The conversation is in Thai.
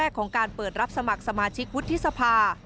ของการเปิดรับสมัครสมาชิกวุฒิสภา